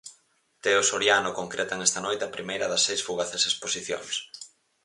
Teo Soriano concretan esta noite a primeira das seis fugaces exposicións.